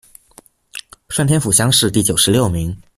顺天府乡试第九十六名。